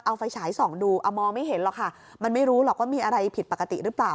เอาไฟฉายส่องดูเอามองไม่เห็นหรอกค่ะมันไม่รู้หรอกว่ามีอะไรผิดปกติหรือเปล่า